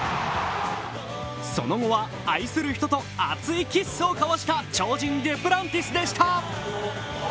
その後は愛する人と熱いキッスを交わした超人デュプランティスでした。